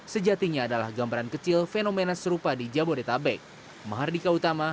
sejatinya adalah gambaran kecil fenomena serupa di jabodetabek